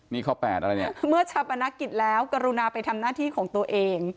นี่ข้อแปดอะไรเนี่ยเมื่อชาปนกิจแล้วกรุณาไปทำหน้าที่ของตัวเอง